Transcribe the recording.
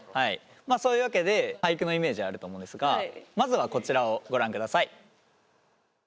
まあそういうわけで俳句のイメージあると思うんですがまずはこちらをご覧ください。